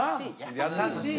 優しい！